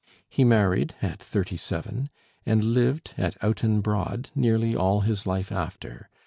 He married at thirty seven, and lived at Outton Broad nearly all his life after.